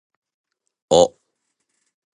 お